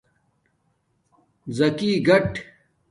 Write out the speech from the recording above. زَکی گاٹ